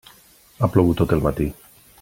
Ha plogut tot el matí.